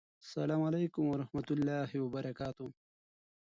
سلام علیکم ورحمته الله وبرکاته